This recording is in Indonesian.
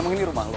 ini rumah lo